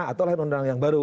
atau lain undang yang baru